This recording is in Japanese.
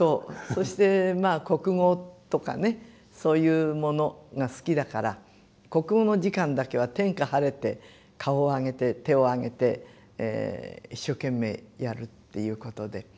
そしてまあ国語とかねそういうものが好きだから国語の時間だけは天下晴れて顔を上げて手を挙げて一生懸命やるっていうことで。